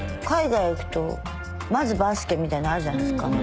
海外行くとまずバスケみたいなのあるじゃないですか。